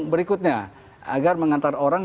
berikutnya agar mengantar orang